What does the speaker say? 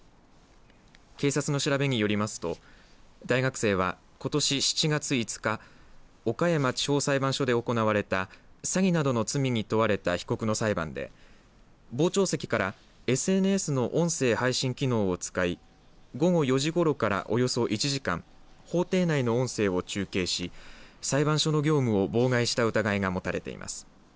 警察の調べによりますと大学生はことし７月５日岡山地方裁判所で行われた詐欺などの罪に問われた被告の裁判で傍聴席からＳＮＳの音声配信機能を使い午後４時ごろから、およそ１時間法廷内の音声を中継し裁判所の業務を妨害した疑いが持たれています。